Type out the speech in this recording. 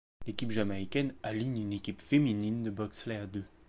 L'équipe jamaïcaine aligne une équipe féminine de bobsleigh à deux.